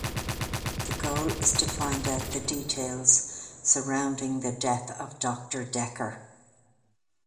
The goal is to find out the details surrounding the death of Doctor Dekker.